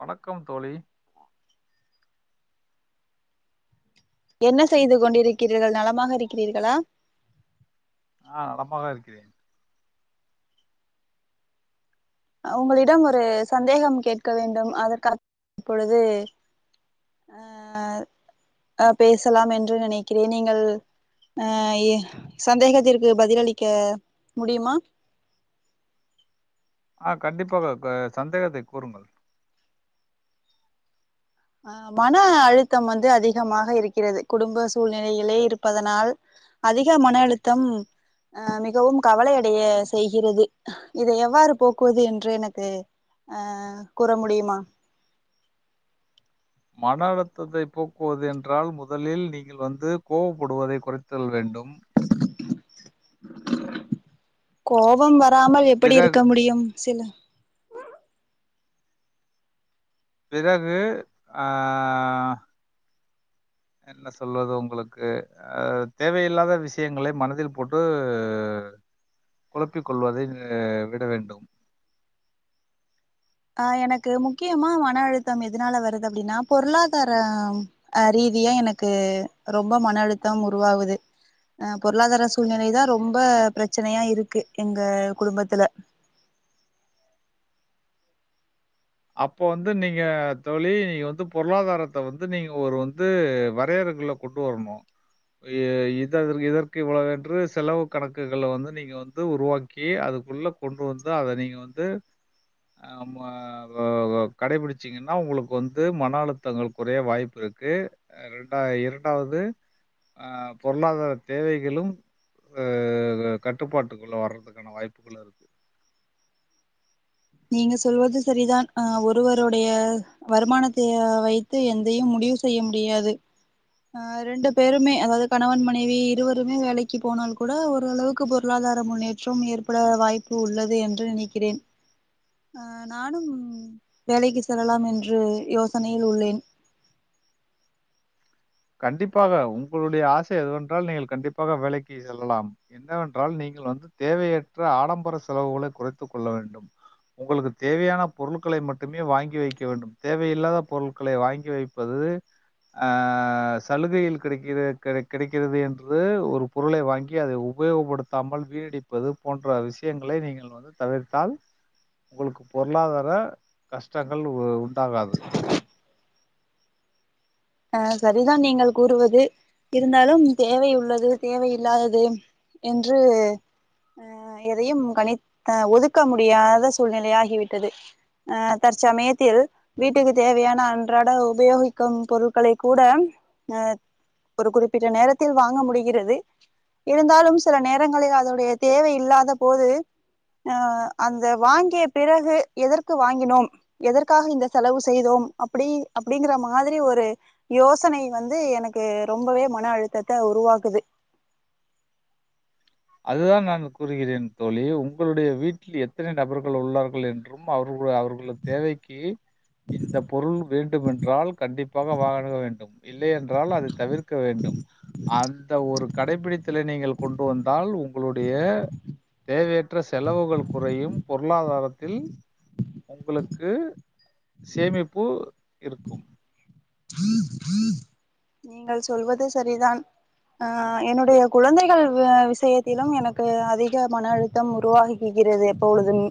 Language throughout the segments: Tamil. வணக்கம் தோழி என்ன செய்து கொண்டிருக்கிறீர்கள் நலமாக இருக்கிறீர்களா ஆ நலமாக இருக்கிறேன் ஆ உங்களிடம் ஒரு சந்தேகம் கேட்க வேண்டும் அதற்கா பொழுது ஆ ஆ பேசலாம் என்று நினைக்கிறேன் நீங்கள் அ எ சந்தேகத்திற்கு பதிலளிக்க முடியுமா ஆ கண்டிப்பாக க சந்தேகத்தை கூறுங்கள் அ மன அழுத்தம் வந்து அதிகமாக இருக்கிறது குடும்ப சூழ்நிலையிலே இருப்பதனால் அதிக மன அழுத்தம் அ மிகவும் கவலை அடைய செய்கிறது இதை எவ்வாறு போக்குவது என்று எனக்கு அ கூற முடியுமா மன அழு்த்தத்தைப் போக்குவது என்றால் முதலில் நீங்கள் வந்து கோவப்படுவதைக் குறைத்தல் வேண்டும் கோவம் வ ராமல் எப்படி பிறகு இருக்க முடியும் சில பிறகு ஆ என்ன சொல்வது உங்களுக்கு அ தேவையில்லாத விஷயங்களை மனதில் போட்டு குழப்பிக் கொள்வதை ஆ விட வேண்டும் ஆ எனக்கு முக்கியமா மன அழுத்தம் எதனால வருது அப்டினா பொருளாதார அ ரீதியா எனக்கு ரொம்ப மன அழுத்தம் உருவாவுது அ பொருளாதார சூழ்நிலைதா ரொம்ப ப்ரச்னையாருக்கு எங்க குடும்பத்துல அப்ப வந்து நீங்க தோழி நீங்க வந்து பொருளாதாரத்த வந்து நீங்க ஒரு வந்து வரையறுக்குள்ள கொண்டு வரணு இ இதற் இதற்கு இவ்ளோ என்று செலவு கணக்குகள வந்து நீங்க வந்து உருவாக்கி அதுக்குள்ள கொண்டு வந்து அத நீங்க வந்து ஆமா வ வ கடைபிடிச்சிங்னா உங்களுக்கு வந்து மன அழுத்தங்கள் குறைய வாய்ப்பு இருக்கு ரெண்டா இரண்டாவது அ பொருளாதார தேவைகளும் அ கட்டுப்பாட்டுக்குள்ள வர்றதுக்கான வாய்ப்புகளு இருக் நீங்க சொல்வது சரிதான் அ ஒருவருடைய வருமானத்தைய வைத்து எந்தையும் முடிவு செய்ய முடியாது அ ரெண்டு பேருமே அதாவது கணவன் மனைவி இருவருமே வேலைக்கு போனால் கூட ஓரளவுக்கு பொருளாதார முன்னேற்றம் ஏற்பட வாய்ப்பு உள்ளது என்று நினைக்கிறேன் அ நானும் வேலைக்கு செல்லலாம் என்று யோசனையில் உள்ளேன் கண்டிப்பாக உங்களுடைய ஆசை அதுவென்றால் நீங்கள் கண்டிப்பாக வேலைக்கு செல்லலாம் என்னவென்றால் நீங்கள் வந்து தேவையற்ற ஆடம்பர செலவுகளை குறைத்துக் கொள்ள வேண்டும் உங்களுக்கு தேவையான பொருள்களை மட்டுமே வாங்கி வைக்க வேண்டும் தேவையில்லாத பொருட்களை வாங்கி வைப்பது அ அ சலுகையில் கிடைக்கிற கட கிடைக்கிறது என்று ஒரு பொருளை வாங்கி அதை உபயோகப்படுத்தாமல் வீணடிப்பது போன்ற விஷயங்களை நீங்கள் வந்து தவிர்த்தால் உங்களுக்கு பொருளாதார கஷ்டங்கள் உ உண்டாகாது அ சரிதான் நீங்கள் கூறுவது இருந்தாலும் தேவை உள்ளது தேவையில்லாதது என்று அ எதையும் கணித் அ ஒதுக்க முடியாத சூழ்நிலை ஆகிவிட்டது அ தற்சமயத்தில் வீட்டுக்கு தேவையான அன்றாட உபயோகிக்கும் பொரு ட்களை கூட அ ஒரு குறிப்பிட்ட நேரத்தில் வாங்க முடிகிறது இருந்தாலும் சில நேரங்களில் அதோடைய தேவை இல்லாத போது அ அந்த வாங்கிய பிறகு எதற்கு வாங்கினோம் எதற்காக இந்த செலவு செய்தோம் அப்டி அப்டிங்கிற மாதிரி ஒரு யோசனை வந்து எனக்கு ரொம்பவே மன அழுத்தத்த உருவாக்குது அதுதான் நான் கூறுகிறேன் தோழி உங்களுடைய வீட்டில் எத்தனை நபர்கள் உள்ளார்கள் என்றும் அவர்குளு அவர்களு தேவைக்கு இந்த பொருள் வேண்டுமென்றால் கண்டிப்பாக வாகனக வேண்டும் இல்லையன்றால் அதை தவிர்க்க வேண்டும் அந்த ஒரு கடைபிடித்தலை நீங்கள் கொண்டு வந் தால் உங்களுடைய தேவையற் ற்ற செலவுகள் குறையும் பொருளாதாரத்தில் உங்களுக்கு சேமிப்பு இருக்கும் நீங்கள் சொல்வது சரிதான் ஆ என்னுடைய குழந்தைகள் வ விஷயத்திலும் எனக்கு அதிக மன அழுத்தம் உருவாகுகிறது எப்பொழுதும்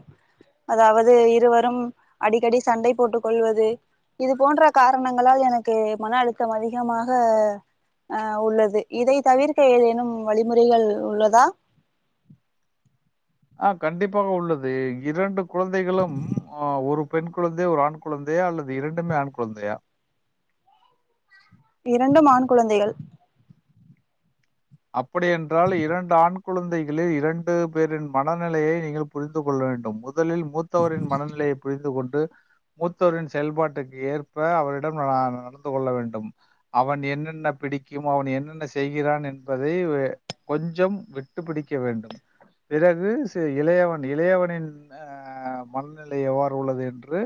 அதாவது இருவரும் அடிக்கடி சண்டை போட்டுக் கொள்வது இது போன்ற காரணங்களால் எனக் கு மன அழுத்தம் அதிகமாக ஆ உள்ளது இதை தவிர்க்க ஏதேனும் வழிமுறைகள் உள்ளதா ஆ கண்டிப்பாக உள்ளது இரண்டு குழந்தைகளும் ஆ ஒரு பெண் குழந்தை ஒரு ஆண் குழந்தையா அல்லது இரண்டுமே ஆண் குழந்தையா இரண்டும் ஆண் குழந்தைகள் அப்படியென்றால் இரண்டு ஆண் குழந்தைகளே இரண்டு பேரின் மனநிலையை நீங்கள் புரிந்து கொள்ள வேண்டும் முத் தலில் மூத்தவரின் மனநிலையை புரிந்து கொண் டு மூத்தோரின் செயல்பாட்டுக்கு ஏற்ப அவரிடம் ந நடந்து கொள்ள வேண்டும் அவன் என்னென்ன பிடிக்கும் அவன் என்னென்ன செய்கிறான் என் பதை கொஞ்சம் விட்டு பிடிக்க வேண்டும் பிறகு ச இளையவன் இளையவனின் ஆ மனநிலை எவ்வாறு உள்ளது என்று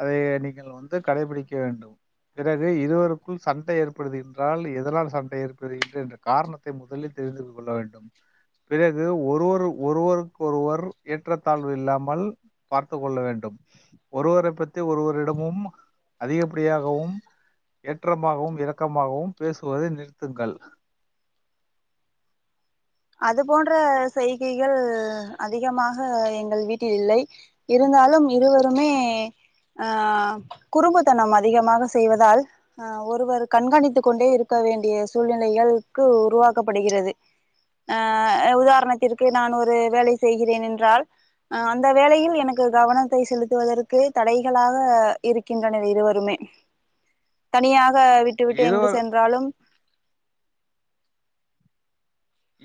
அதை நீங்கள் வந்து கடைபிடிக்க வேண்டும் பிறகு இருவருக்குள் சண்டை ஏற்படுது என்றால் எதனால் சண்டை ஏற்படுது என்ற காரணத்தை முதலில் தெரிந்து கொள்ள வேண்டும் பிறகு ஒருவரு ஒருவருக்கொருவர் ஏற்றத்தாழ்வு இல்லாமல் பார்த்து கொள்ள வேண்டும் ஒருவரை பத்தி ஒருவரிடமும் அதிகப்படியாகவும் ஏற்றமாகவும் இறக்கமாகவும் பேசுவதை நிறுத்துங்கள் அது போன்ற செய்கைகள் அதிகமாக எங்கள் வீட்டில் இல்லை இருந்தாலும் இருவருமே ஆ குறும்புத்தனம் அதிகமாக செய்வதால் ஆ ஒருவர் கண்காணித்து கொண்டே இருக்க வேண்டிய சூழ்நிலைகள்கு உருவாக்கப்படுகிறது ஆ உதாரணத்திற்கு நான் ஒரு வேலை செய்கிறேன் என்றால் ஆ அந்த வேலையில் எனக்கு கவனத்தை செலுத்துவதற்கு தடைகளாக இருக்கின்றனர் இருவருமே தனியாக் க விட்டு விட்டு எங்கு இருவர் சென்றாலும்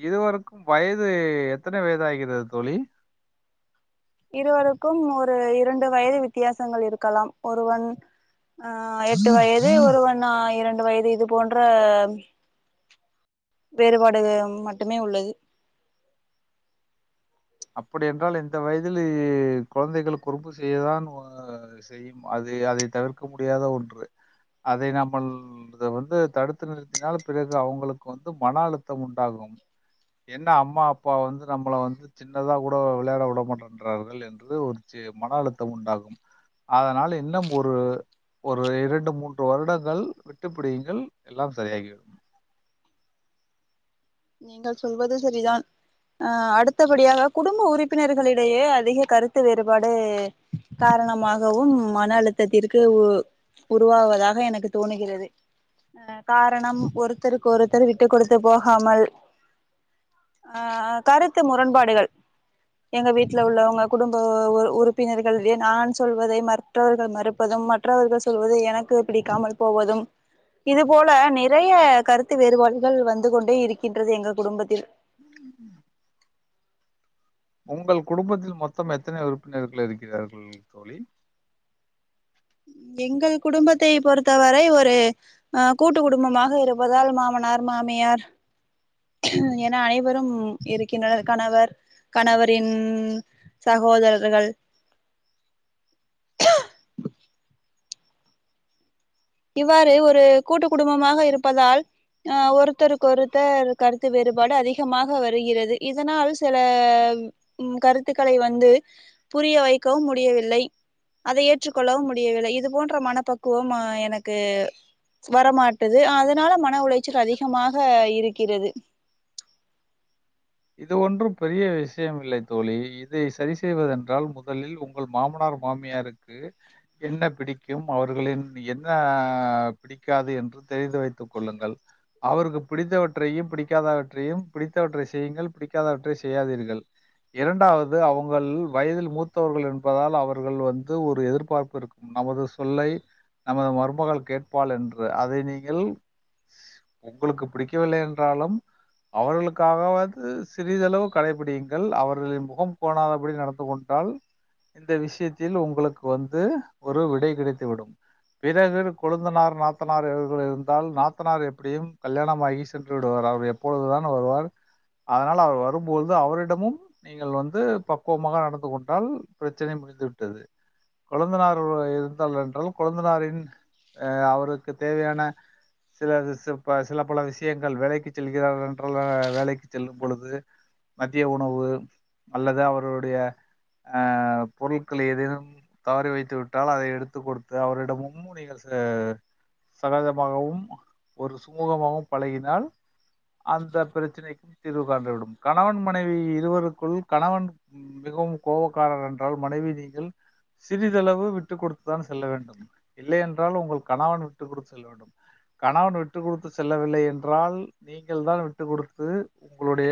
இருதுவரைக்கும் வயது எத்தனை வயது ஆகிறது தோழி இருவருக்கும் ஒரு இரண்டு வயது வித்தியாசங்கள் இருக்கலாம் ஒருவன் அஹ் எட்டு வயது ஒருவன் இரண்டு வயது இது போன்ற வேறுபாடு மட்டுமே உள்ளது அப்படி என்றால் இந்த வயதில் கொழந்தைகள் குறும்பு செய்யதான் செய்யும் அது அதை தவிர்க்க முடியாத ஒன்று அதை நம்ம இத வந்து தடுத்து நிறுத்தினால் பிறகு அவங்களுக்கு வந்து மன அழுத்தம் உண்டாகும் என்னா அம்மா அப்பா வந்து நம்மளை வந்து சின்னதா கூட விளையாட விடமாட்டன்றார்கள் என்று ஒரு சி மன அழுத்தம் உண்டாகும் அதனால் இன்னும் ஒரு ஒரு இரண்டு மூன்று வருடங்கள் விட்டுப்பிடியுங்கள் எல்லாம் சரியாகிவிடும் நீங்கள் சொல்வது செரிதான் அஹ் அடுத்தபடியாக குடும்ப உறுப்பினர்களிடையே அதிக கருத்து வேறுபாடு காரணமாகவும் மன அழுத்தத்திற்கு உருவாகதாக எனக்கு தோணுகிறது அஹ் காரணம் ஒருத்தருக்கு ஒருத்தர் விட்டுக் கொடுத்து போகாமல் ஆஹ் கருத்து முரண்பாடுகள் எங்க வீட்டுல உள்ளவங்க குடும்ப உறுப்பினர்கள் நான் சொல்வதை மற்றவர்கள் மறுப்பதும் மற்றவர்கள் சொல்வது எனக்கு பிடிக்காமல் போவதும் இது போல நிறைய கருத்து வேறுபாடுகள் வந்து கொண்டே இருக்கி இருக்கின்றது எங்க குடும்பத்தில் உங்கள் குடும்பத்தில் மொத்தம் எத்தனை உறுப்பினர்கள் இருக்கிறார்கள் தோழி எங்கள் குடும்பத்தை பொறுத்தவரை ஒரு அஹ் கூட்டு குடும்பமாக இருப்பதால் மாமனார் மாமியார் என அனைவரும் இருக்கின்றனர் கணவர் கணவரின் சகோதரர்கள் இவ்வாறு ஒரு கூட்டு குடும்பமாக இருப்பதால் அஹ் ஒருத்தருக் கொருத்தர் கருத்து வேறுபாடு அதிகமாக வருகிறது இதனால் சில கருத்துக்களை வந்து புரிய வைக்கவும் முடியவில்லை அதை ஏற்றுக்கொள்ளவும் முடியவில்லை இது போன்ற மனப்பக்குவம் எனக்கு வரமாட்டுது அதனால மன உளைச்சல் அதிகமாக இருக்கிறது இது ஒன்றும் பெரிய விஷயம் இல்லை தோழி இதை செரி செய்வதென்றால் முதலில் உங்கள் மாமனார் மாமியாருக்கு என்ன பிடிக்கும் அவர்களின் என்ன பிடிக்காது என்று தெரிந்து வைத்துக் கொள்ளுங்கள் அவருக்கு பிடித்தவற்றையும் பிடிக்காதவற்றையும் பிடித்தவற்றை செய்யுங்கள் பிடிக்காதவற்றை செய்யாதீர்கள் இரண்டாவது அவங்கள் வயதில் மூத்தவர்கள் என்பதால் அவர்கள் வந்து ஒரு எதிர்பார்ப்பு இருக்கும் நமது சொல்லை நமது மருமகள் கேட்பால் என்று அதை நீங்கள் உங்களுக்கு பிடிக்கவில்லை என்றாலும் அவர்களுக்காக சிறிதளவு கடைபிடியுங்கள் அவர்களின் முகம் கோணாதபடி நடந்து கொண்டால் இந்த விஷயத்தில் உங்களுக்கு வந்து ஒரு விடை கிடைத்துவிடும் பிறகு கொழுந்தனார் நாத்தனார் இவர்கள் இருந்தால் நாத்தனார் எப்படியும் கல்யாணமாகி சென்று விடுவார் அவர் எப்பொழுதுதான் வருவார் அதனால் அவர் வரும்போது அவரிடமும் நீங்கள் வந்து பக்குவமாக நடந்து கொண்டால் பிரச்சனை முடிந்து விட்டது குழந்தனார் இருந்தால் என்றால் குழந்தனாரின் அஹ் அவருக்கு தேவையான சில ச சில பல விஷயங்கள் வேலைக்கு செல்கிறார் என்றால் வேலைக்கு செல்லும் பொழுது மத்திய உணவு அல்லது அவருடைய அஹ் பொருட்களை எதேனும் தவறி வைத்து விட்டால் அதை எடுத்து கொடுத்து அவரிடமும் நீங்கள் சகஜமாகவும் ஒரு சுமூகமாகவும் பழகினால் அந்த பிரச்சனைக் தீர்வு காண்டுவிடும் கணவன் மனைவி இருவருக்குள் கணவன் மிகவும் கோபக்காரர் என்றால் மனைவி நீங்கள் சிறிதளவு விட்டுக் கொடுத்துதான் செல்ல வேண்டும் இல்லை என்றால் உங்கள் கணவன் விட்டுக் கொடுத்து செல்ல வேண்டும் கணவன் விட்டு கொடுத்து செல்லவில்லை என்றால் நீங்கள் தான் விட்டுக் கொடுத்து உங்களுடைய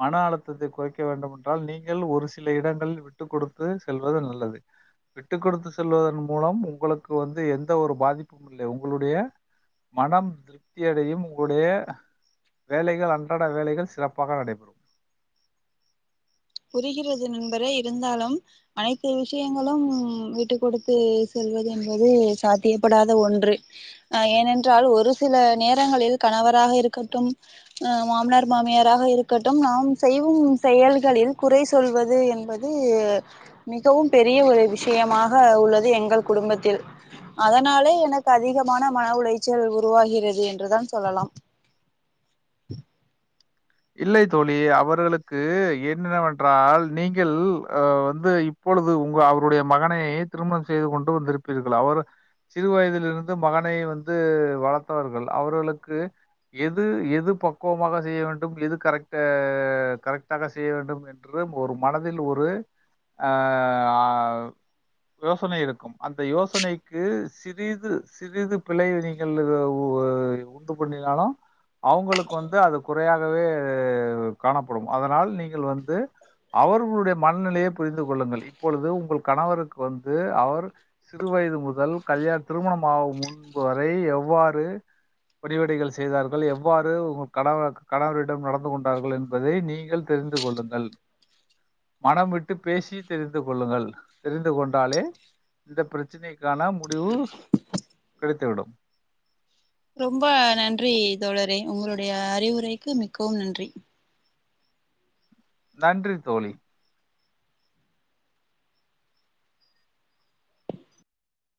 மன அழுத்தத்தை குறைக்க வேண்டுமென்றால் நீங்கள் ஒரு சில இடங்களில் விட்டு கொடுத்து செல்வது நல்லது விட்டுக்கொடுத்து செல்வதன் மூலம் உங்களுக்கு வந்து எந்த ஒரு பாதிப்பும் இல்லை உங்களுடைய மனம் திருப்தியடையும் உங்களுடைய வேலைகள் அன் நடட வேலைகள் சிறப்பாக நடைபெறும் புரிகிறது நண்பரே இருந்தாலும் அனைத்து விஷயங்களும் விட்டு கொடுத்து செல்வது என்பது சாத்தியப்படாத ஒன்று ஹ ஏனென்றால் ஒரு சில நேரங்களில் கணவராக இருக்கட்டும் அஹ் மாமனார் மாமியாராக இருக்கட்டும் நாம் செய்வும் செயல்களில் குறை சொல்வது என்பது மிகவும் பெரிய ஒரு விஷயமாக உள்ளது எங்கள் குடும்பத்தில் அதனாலே எனக்கு அதிகமான மன உளைச்சல் உருவாகிறது என்றுதான் சொல்லலாம் இல்லை தோழி அவர்களுக்கு என்னென்னவென்றால் நீங்கள் அஹ் வந்து இப்பொழுது உங்க அவருடைய மகனை திருமணம் செய்து கொண்டு வந்திருப்பீர்கள் அவர் சிறு வயதிலிருந்து மகனை வந்து வளர்த்தவர்கள் அவர்களுக்கு எது எது பக்குவமாக செய்ய வேண்டும் கரெக்டாக செய்ய வேண்டும் என்று ஒரு மனதில் ஒரு யோசனை இருக்கும் அந்த யோசனைக்கு சிறிது சிறிது பிழை நீங்கள் உண்டு பண்ணினாலும் அவங்களுக்கு வந்து அது குறையாக காணப்படும் அதனால் நீங்கள் வந்து அவர்களுடைய மனநிலையை புரிந்து கொள்ளுங்கள் இப்பொழுது உங்கள் கணவருக்கு வந்து அவர் சிறு வயது முதல் கல்யாண திருமணம்மாகும் முன்பு வரை எவ்வாறு படிவடைகள் செய்தார்கள் எவ்வாறு உங்கள் கணவ கணவரிடம் நடந்து கொண்டார்கள் என்பதை நீங்கள் தெரிந்து கொள்ளுங்கள் மனம் விட்டு பேசி தெரிந்து கொள்ளுங்கள் தெரிந்து கொண்டாலே இந்த பிரச்சனைக்கான முடிவு கிடைத்துவிடும் ரொம்ப நன்றி தோழரே உங்களுடைய அறிவுரைக்கு மிக்கவும் நன்றி நன்றி தோழி